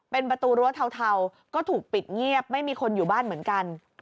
เป็นประตูรั้วเทาก็ถูกปิดเงียบไม่มีคนอยู่บ้านเหมือนกัน